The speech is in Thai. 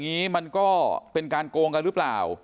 อย่างนี้มันก็เป็นการโกงกันหรือเปล่า